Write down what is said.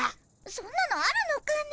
そんなのあるのかね。